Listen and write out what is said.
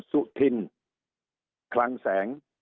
สุดท้ายก็ต้านไม่อยู่